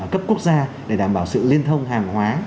cấp quốc gia để đảm bảo sự liên thông hàng hóa